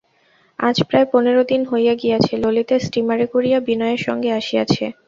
আজ প্রায় পনেরো দিন হইয়া গিয়াছে ললিতা স্টীমারে করিয়া বিনয়ের সঙ্গে আসিয়াছে।